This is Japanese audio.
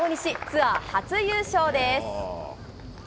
ツアー初優勝です。